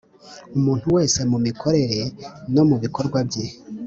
umuntu wese mu mikorere no mu bikorwa bye